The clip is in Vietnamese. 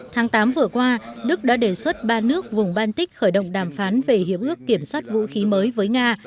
tháng tám vừa qua đức đã đề xuất ba nước vùng baltic khởi động đàm phán về hiệp ước kiểm soát vũ khí mới với nga